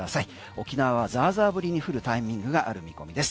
沖縄はザーザー降りに降るタイミングがある見込みです。